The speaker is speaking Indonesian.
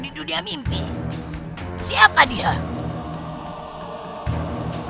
aku akan membunuhmu